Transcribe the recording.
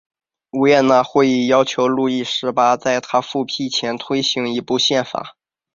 维也纳会议要求路易十八在他复辟前推行一部宪法。